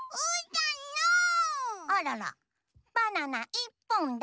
あららバナナいっぽんだ。